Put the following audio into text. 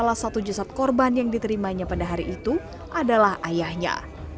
salah satu jasad korban yang diterimanya pada hari itu adalah ayahnya